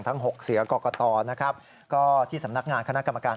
ทั้ง๖เสือกรกตที่สำนักงานคณะกรรมการ